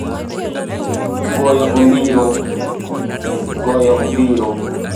Goyo ondiro